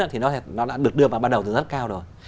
thì nó đã được đưa vào ban đầu từ rất cao rồi